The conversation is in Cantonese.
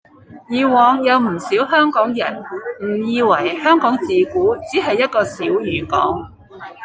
以往有唔少香港人誤以為香港自古只係一個小漁港